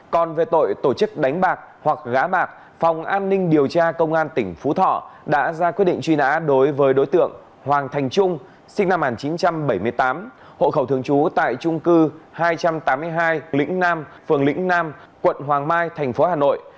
còn về tội tổ chức đánh bạc hoặc gã bạc phòng an ninh điều tra công an tỉnh phú thọ đã ra quyết định truy nã đối với đối tượng hoàng thành trung sinh năm một nghìn chín trăm bảy mươi tám hộ khẩu thường trú tại trung cư hai trăm tám mươi hai lĩnh nam phường lĩnh nam quận hoàng mai thành phố hà nội